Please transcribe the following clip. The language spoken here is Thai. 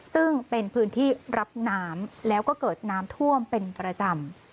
ซึ่งเป็นพื้นที่รับน้ำแล้วก็เกิดน้ำท่วมเป็นประจำ